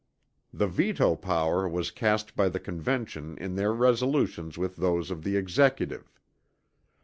The veto power was cast by the Convention in their resolutions with those of the Executive.